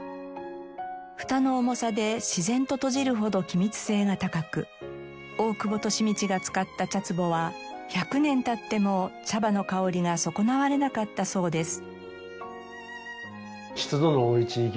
ふたの重さで自然と閉じるほど気密性が高く大久保利通が使った茶壺は１００年経っても茶葉の香りが損なわれなかったそうです。